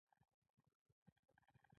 مس عینک په لوګر ولایت کې موقعیت لري